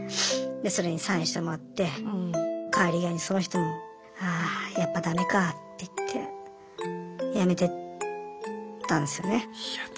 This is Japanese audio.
それにサインしてもらって帰り際にその人もって言って辞めてったんですよね。